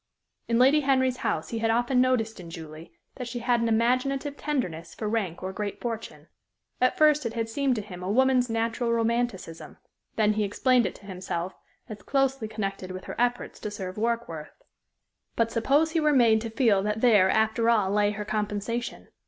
In Lady Henry's house he had often noticed in Julie that she had an imaginative tenderness for rank or great fortune. At first it had seemed to him a woman's natural romanticism; then he explained it to himself as closely connected with her efforts to serve Warkworth. But suppose he were made to feel that there, after all, lay her compensation?